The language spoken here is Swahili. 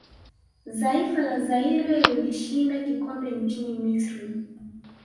zaifa la Zaire lilishinda kikombe nchini misri